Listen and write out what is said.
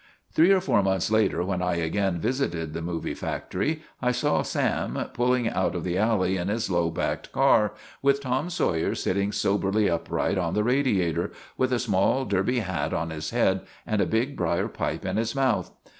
Three or four months later, when I again visited the movie fac tory, I saw Sam pulling out of the alley in his low backed car with Torn Sawyer sitting soberly up right on the radiator, with a small derby hat on his head and a big briar pipe in his mouth.